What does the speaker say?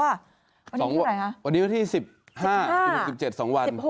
วันหน็วน่าที่สิบ๑๕๑๗สองวัน